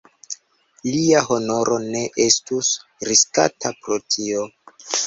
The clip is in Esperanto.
Lia honoro ne estus riskata pro tio.